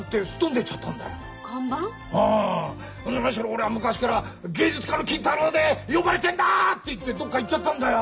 「俺は昔から芸術家の金太郎って呼ばれてんだ！」って言ってどっか行っちゃったんだよ。